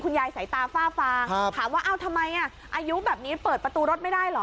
ยายสายตาฝ้าฟางถามว่าเอ้าทำไมอายุแบบนี้เปิดประตูรถไม่ได้เหรอ